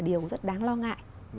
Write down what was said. điều rất đáng lo ngại